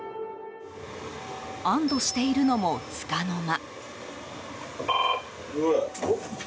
安堵しているのも、つかの間。